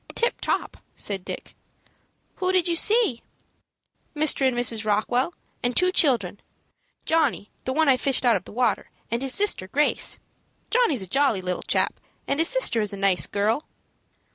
"Tip top," said Dick. "Who did you see?" "Mr. and Mrs. Rockwell, and two children, Johnny, the one I fished out of the water, and his sister, Grace. Johnny's a jolly little chap, and his sister is a nice girl."